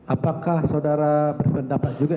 apakah saudara berpendapat juga